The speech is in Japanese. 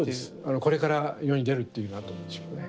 これから世に出るっていうようなとこでしょうね。